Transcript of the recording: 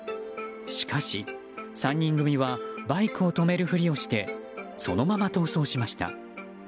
しかし、３人組はバイクを止めるふりをしてそのまま逃走しました。